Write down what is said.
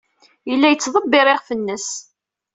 Yella yettḍebbir iɣef-nnes.